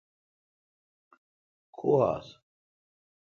کو آس۔